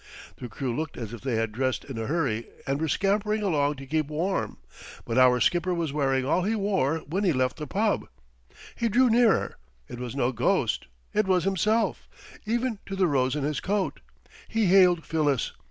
The crew looked as if they had dressed in a hurry and were scampering along to keep warm. But our skipper was wearing all he wore when he left the pub. He drew nearer. It was no ghost. It was himself, even to the rose in his coat. He hailed Phyllis.